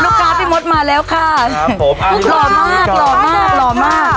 การ์ดพี่มดมาแล้วค่ะครับผมหล่อมากหล่อมากหล่อมาก